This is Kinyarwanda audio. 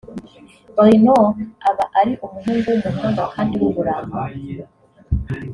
Bruno aba ari umuhungu w’umuhanga kandi w’uburanga